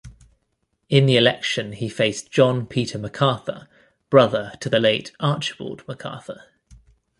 In the election he faced John Peter McArthur, brother to the late Archibald McArthur.